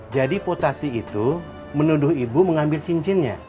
jadi potati itu menuduh ibu mengambil cincinnya